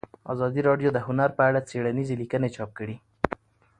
ازادي راډیو د هنر په اړه څېړنیزې لیکنې چاپ کړي.